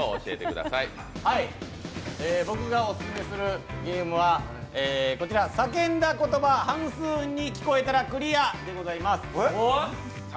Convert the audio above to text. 僕がオススメするゲームは叫んだ言葉半数に聞こえたらクリアでございます。